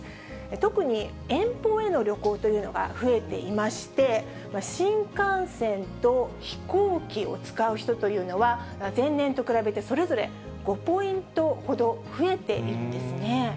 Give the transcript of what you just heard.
特に遠方への旅行というのが増えていまして、新幹線と飛行機を使う人というのは、前年と比べてそれぞれ５ポイントほど、増えているんですね。